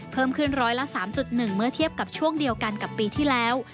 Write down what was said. เพิ่มขึ้นร้อยละ๓๑เมื่อเทียบกับช่วงเดียวกันกับปีที่แล้ว